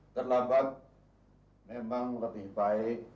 terlambat memang lebih baik